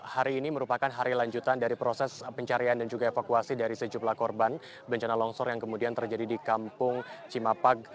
hari ini merupakan hari lanjutan dari proses pencarian dan juga evakuasi dari sejumlah korban bencana longsor yang kemudian terjadi di kampung cimapak